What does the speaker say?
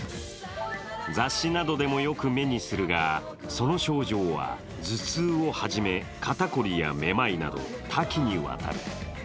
雑誌などでもよく目にするが、その症状は頭痛をはじめ肩こりやめまいなど、多岐にわたる。